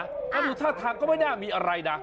แล้วดูท่าทางก็ไม่น่ามีอะไรนะ